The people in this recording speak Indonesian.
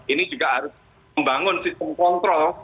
ini juga harus membangun sistem kontrol